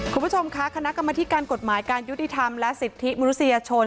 คุณผู้ชมคะคณะกรรมธิการกฎหมายการยุติธรรมและสิทธิมนุษยชน